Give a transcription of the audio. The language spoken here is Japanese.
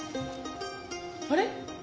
あれ？